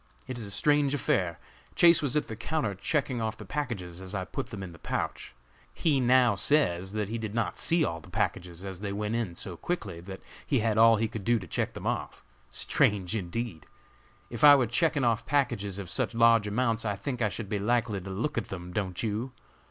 It is a strange affair. Chase was at the counter checking off the packages as I put them in the pouch. He now says that he did not see all the packages, as they went in so quickly that he had all he could do to check them off. Strange, indeed! If I were checking off packages of such large amounts I think I should be likely to look at them, don't you?